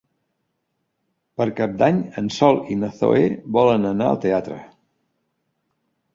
Per Cap d'Any en Sol i na Zoè volen anar al teatre.